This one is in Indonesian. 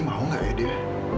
mau nggak ya dia